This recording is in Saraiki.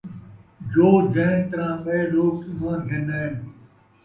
جو جَیں طرح ٻِئے لوک ایمان گِھن آئن،